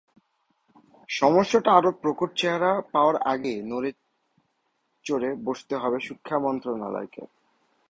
সমস্যাটা আরও প্রকট চেহারা পাওয়ার আগেই নড়েচড়ে বসতে হবে শিক্ষা মন্ত্রণালয়কে।